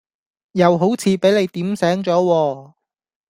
又好似俾你點醒左喎